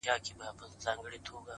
o ژوند مي هيڅ نه دى ژوند څه كـړم؛